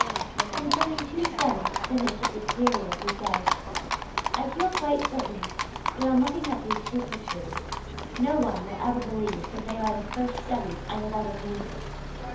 '" And concerning two studies finished at this period, he says: "I feel quite certain that on looking at these two pictures, no one will ever believe that they are the first studies I have ever painted" (pages 15 and 4).